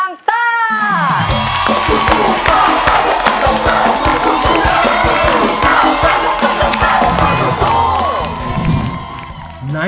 ยิ่งเสียใจ